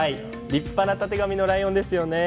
立派なたてがみのライオンですよね。